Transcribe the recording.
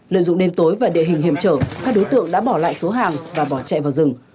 lợi dụng đêm tối và địa hình hiểm trở các đối tượng đã bỏ lại số hàng và bỏ chạy vào rừng